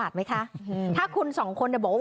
ผมครับ